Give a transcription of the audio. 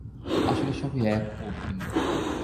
আসলে সবই এক ও ভিন্ন।